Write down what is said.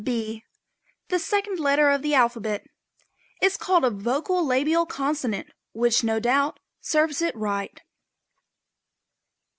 ### B: The second letter of the alphabet. It is called a vocal labial consonant, which, no doubt, serves it right.